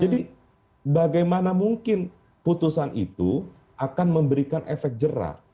jadi bagaimana mungkin putusan itu akan memberikan efek jerat